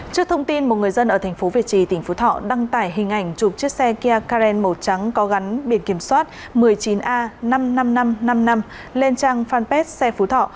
trước thông tin một người dân ở thành phố việt trì tỉnh phú thọ đăng tải hình ảnh chụp chiếc xe kia karen màu trắng có gắn biển kiểm soát một mươi chín a năm mươi năm nghìn năm trăm năm mươi năm lên trang fanpage xe phú thọ